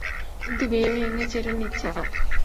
কিন্তু বিয়ে ভেঙ্গে গেছে এটা নিশ্চিত।